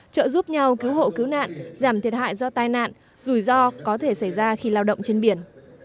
trợ giúp nhau cứu hộ cứu nạn giảm thiệt hại do tai nạn rủi ro có thể xảy ra khi lao động trên biển